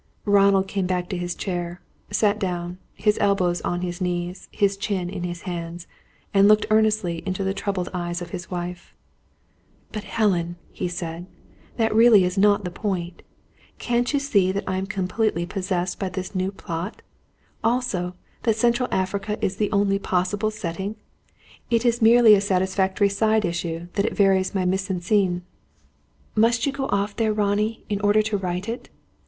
Ronald came back to his chair; sat down, his elbows on his knees, his chin in his hands, and looked earnestly into the troubled eyes of his wife. "But, Helen," he said, "that really is not the point. Can't you see that I am completely possessed by this new plot? Also, that Central Africa is its only possible setting? It is merely a satisfactory side issue, that it varies my mise en scène." "Must you go off there, Ronnie, in order to write it?